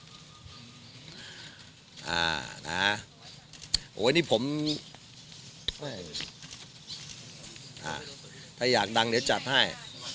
อ่านะโอ้ยนี่ผมถ้าอยากดังเดี๋ยวจัดให้